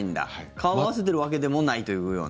顔を合わせてるわけでもないというような。